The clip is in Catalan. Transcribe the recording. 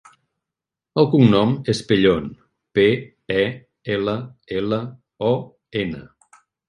El cognom és Pellon: pe, e, ela, ela, o, ena.